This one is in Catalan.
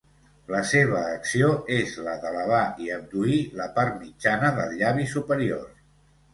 La seva acció és la d'elevar i abduir la part mitjana del llavi superior.